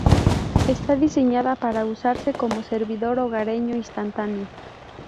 Está diseñada para usarse como "servidor hogareño instantáneo".